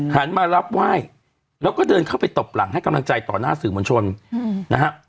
มารับไหว้แล้วก็เดินเข้าไปตบหลังให้กำลังใจต่อหน้าสื่อมวลชนนะฮะ